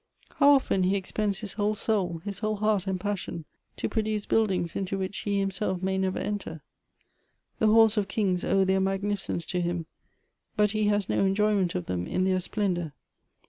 How often he expends his whole soul, his whole heart and passion, to produce buildings into which he himself may never enter. The halls of kings owe their magnificence to him ; but he has no enjoyment of them in their splendor.